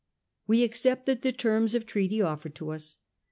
We accepted the terms of treaty offered to us.